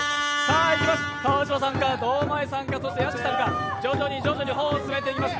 川島さんか堂前さんか屋敷さんか、徐々に歩を進めています